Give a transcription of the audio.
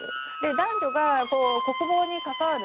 男女が国防に関わる。